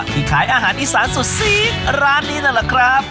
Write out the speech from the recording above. ขายอาหารอีสานสุดซีกร้านนี้นั่นแหละครับ